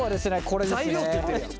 これですね。